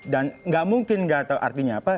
dan tidak mungkin tidak tahu artinya apa